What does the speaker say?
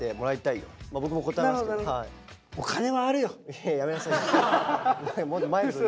いややめなさいよ。